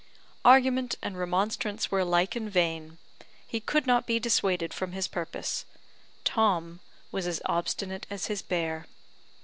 Argument and remonstrance were alike in vain, he could not be dissuaded from his purpose. Tom was as obstinate as his bear.